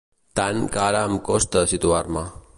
Tant, que ara em costa situar-me.